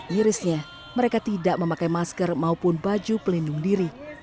mirisnya mereka tidak memakai masker maupun baju pelindung diri